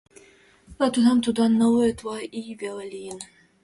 Но тунам тудлан нылле утла ий веле лийын.